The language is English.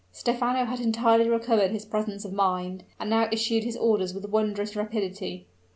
Stephano had entirely recovered his presence of mind, and now issued his orders with wondrous rapidity.